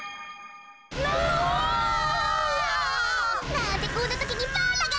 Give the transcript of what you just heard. なんでこんなときにバラが！